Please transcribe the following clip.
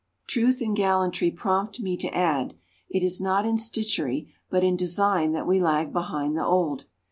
Truth and gallantry prompt me to add, it is not in stitchery but in design that we lag behind the old.